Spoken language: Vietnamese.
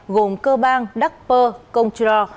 gồm cơ bang đắc pơ công trò